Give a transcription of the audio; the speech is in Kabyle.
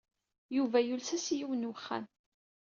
Yuba yules-as i yiwen n wexxam.